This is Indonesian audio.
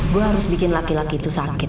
gue harus bikin laki laki itu sakit